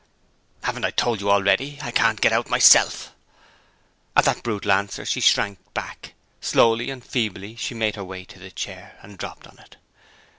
"Haven't I told you already? I can't get out myself." At that brutal answer, she shrank back. Slowly and feebly she made her way to the chair, and dropped on it.